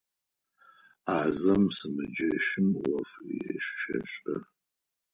Ӏазэм сымэджэщым ӏоф щешӏэ.